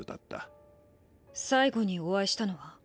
最後にお会いしたのは？